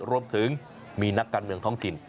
รวมถึงมีนักการเมืองท้องถิ่น